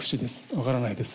分からないです。